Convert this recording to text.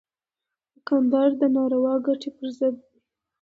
دوکاندار د ناروا ګټې پر ضد وي.